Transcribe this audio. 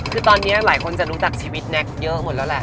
คือตอนนี้หลายคนจะรู้จักชีวิตแน็กเยอะหมดแล้วแหละ